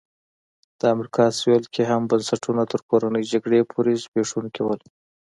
د امریکا سوېل کې هم بنسټونه تر کورنۍ جګړې پورې زبېښونکي وو.